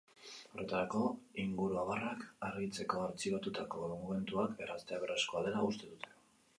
Horretarako, inguruabarrak argitzeko, artxibatutako dokumentuak erraztea beharrezkoa dela uste dute.